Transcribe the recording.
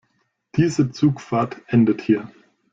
Diese Zugfahrt endet hier.